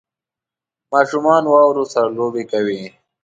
ماشومان واورو سره لوبې کوي